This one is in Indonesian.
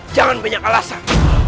jangan punya alasan